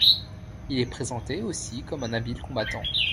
Il est présenté aussi comme un habile combattant.